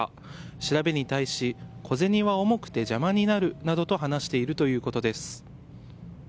調べに対し小銭は重くて邪魔になるなどと話しているということです。